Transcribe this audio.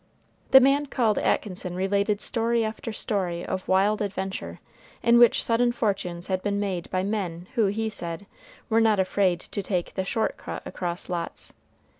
The man called Atkinson related story after story of wild adventure, in which sudden fortunes had been made by men who, he said, were not afraid to take "the short cut across lots."